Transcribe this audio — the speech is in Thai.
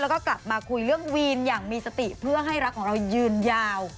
แล้วก็กลับมาคุยเรื่องวีนอย่างมีสติเพื่อให้รักของเรายืนยาว